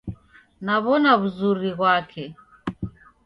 Naw'ona w'uzuri ghwake.